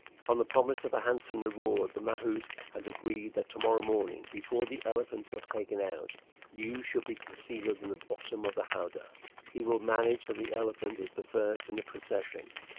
"On the promise of a handsome reward the mahout has agreed that tomorrow morning, before the elephants are taken out, you shall be concealed in the bottom of the howdah. He will manage that the elephant is the first in the procession.